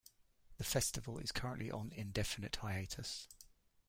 The festival is currently on indefinite hiatus.